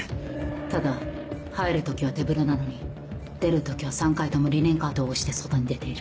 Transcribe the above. ただ入る時は手ぶらなのに出る時は３回ともリネンカートを押して外に出ている。